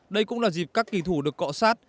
đây cũng là dịp các kỳ thủ được cọ sát